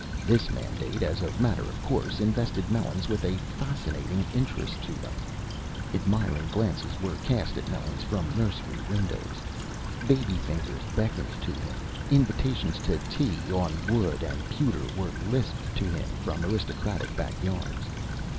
This mandate, as a matter of course, invested Melons with a fascinating interest to them. Admiring glances were cast at Melons from nursery windows. Baby fingers beckoned to him. Invitations to tea (on wood and pewter) were lisped to him from aristocratic back yards.